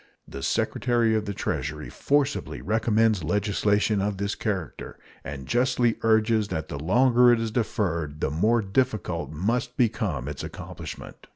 The Secretary of the Treasury forcibly recommends legislation of this character, and justly urges that the longer it is deferred the more difficult must become its accomplishment.